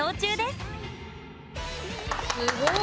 すごい！